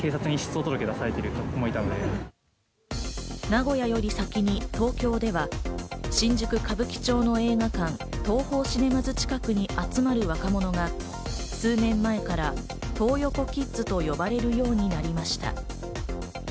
名古屋より先に東京では新宿・歌舞伎町の映画館、ＴＯＨＯシネマズ近くに集まる若者が、数年前からトー横キッズと呼ばれるようになりました。